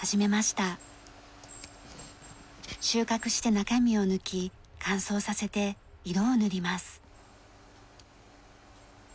収穫して中身を抜き乾燥させて色を塗ります。